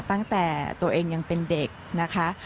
ตั้งแต่ตัวเองยังเป็นเด็กนะคะ